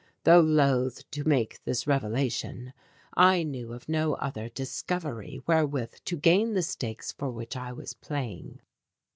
Though loath to make this revelation, I knew of no other "Discovery" wherewith to gain the stakes for which I was playing.